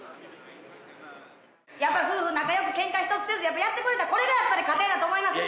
やっぱ夫婦仲良くケンカひとつせずやってこれたこれがやっぱり家庭だと思います。